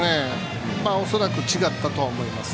恐らく違ったとは思います。